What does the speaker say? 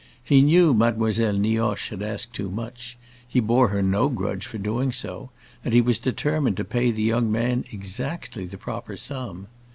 He knew Mademoiselle Nioche had asked too much; he bore her no grudge for doing so, and he was determined to pay the young man exactly the proper sum.